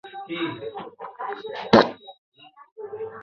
বিবেকানন্দ তাকে ‘ধীর মাতা’ ও ‘মা সারা’ বলে সম্বোধন করতেন।